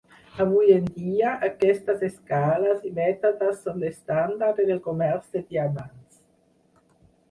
Avui en dia, aquestes escales i mètodes són l'estàndard en el comerç de diamants.